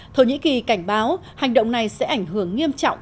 thổ nhĩ kỳ cảnh báo hành động này sẽ ảnh hưởng nghiêm trọng